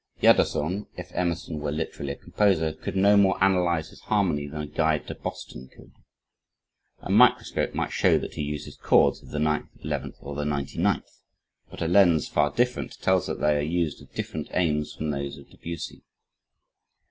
Jadassohn, if Emerson were literally a composer, could no more analyze his harmony than a guide to Boston could. A microscope might show that he uses chords of the 9th, 11th, or the 99th, but a lens far different tells us they are used with different aims from those of Debussy.